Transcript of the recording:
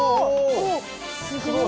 おっすごい。